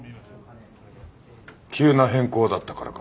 急な変更だったからか？